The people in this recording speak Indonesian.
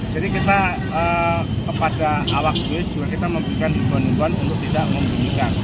jadi kita kepada awak jus juga kita memberikan uban uban untuk tidak membuangkan